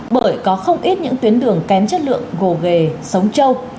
bởi có không ít những tuyến đường kém chất lượng gồ ghề sống trâu